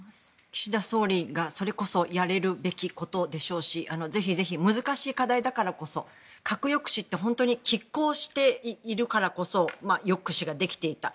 岸田総理がそれこそやれるべきことでしょうしぜひぜひ、難しい課題だからこそ核抑止って本当に拮抗しているからこそ抑止ができていた。